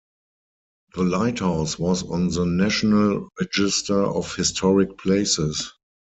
The lighthouse was on the National Register of Historic Places.